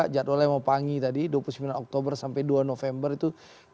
jadwalnya mau panggi tadi dua puluh sembilan oktober sampai dua november itu